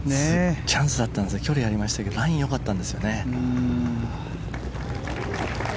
チャンスだったんですが距離がありましたけどラインはよかったんですよね。